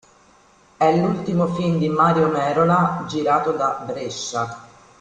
È l'ultimo film di Mario Merola girato da Brescia.